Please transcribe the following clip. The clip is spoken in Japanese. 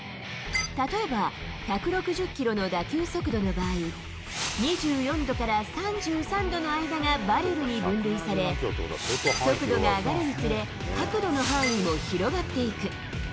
例えば、１６０キロの打球速度の場合、２４度から３３度の間がバレルに分類され、速度が上がるにつれ、角度の範囲も広がっていく。